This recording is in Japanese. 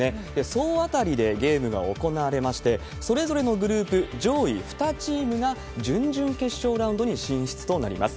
総当たりでゲームが行われまして、それぞれのグループ上位２チームが準々決勝ラウンドに進出となります。